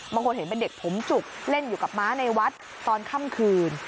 บางคนเห็นเป็นเด็กผมจุกเล่นอยู่กับม้าในวัดตอนค่ำคืน